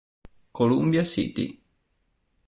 Columbia City